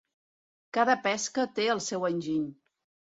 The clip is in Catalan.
Cada pesca té el seu enginy.